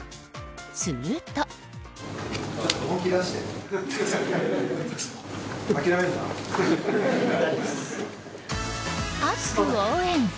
すると。熱く応援！